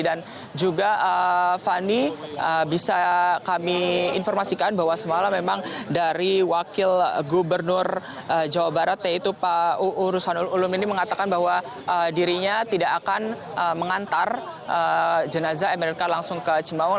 dan juga fani bisa kami informasikan bahwa semalam memang dari wakil gubernur jawa barat yaitu pak uurusan urum ini mengatakan bahwa dirinya tidak akan mengantar jenazah mlk langsung ke cimawang